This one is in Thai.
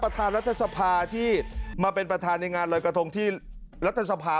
ประธานรัฐสภาที่มาเป็นประธานในงานลอยกระทงที่รัฐสภา